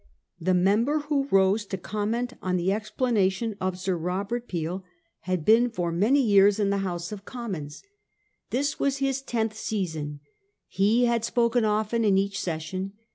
The member who rose to comment on the explanation of Sir Robert Peel had been for many years in the House 1846. A NEW DEPARTURE. 383 of Commons, This was his tenth session. lie had spoken often in each session.